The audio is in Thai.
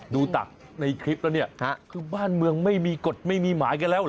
ดูจากในคลิปแล้วเนี่ยคือบ้านเมืองไม่มีกฎไม่มีหมายกันแล้วเห